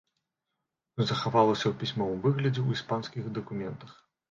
Захавалася ў пісьмовым выглядзе ў іспанскіх дакументах.